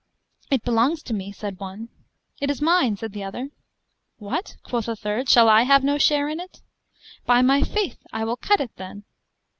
It belongs to me, said one. It is mine, said the other. What, quoth a third, shall I have no share in it? By my faith, I will cut it then.